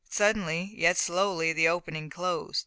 Suddenly, yet slowly, the opening closed.